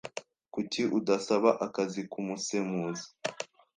Kuki udasaba akazi k'umusemuzi?